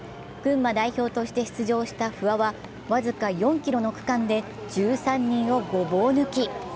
群馬代表として出場した不破は僅か４ｋｍの区間で１３人をごぼう抜き。